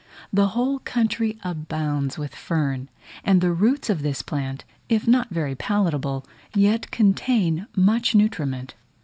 The whole country abounds with fern: and the roots of this plant, if not very palatable, yet contain much nutriment.